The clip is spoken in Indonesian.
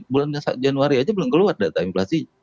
bulan januari saja belum keluar data inflasi